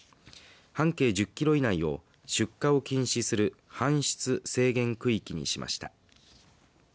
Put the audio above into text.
半径１０キロ以内を出荷を禁止する搬出制限区域にしました。